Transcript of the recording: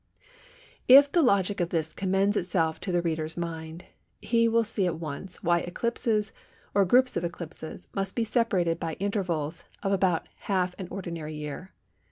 If the logic of this commends itself to the reader's mind, he will see at once why eclipses or groups of eclipses must be separated by intervals of about half an ordinary year.